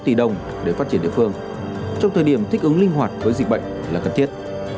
hai mươi một tỷ đồng để phát triển địa phương trong thời điểm thích ứng linh hoạt với dịch bệnh là cần thiết